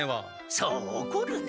そうおこるな。